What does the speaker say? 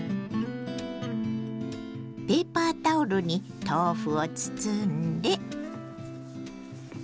ペーパータオルに豆腐を包んで。